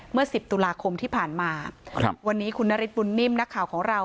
เมื่อ๑๐ตุลาคมที่ผ่านมาครับวันนี้คุณนฤทธบุญนิ่มนักข่าวของเรา